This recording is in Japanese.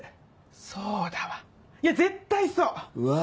そうだわいや絶対そう。